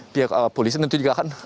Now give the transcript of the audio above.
pihak polisi tentu juga akan